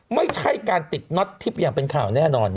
ไม่ใช่การติดน็อตทิพย์อย่างเป็นข่าวแน่นอน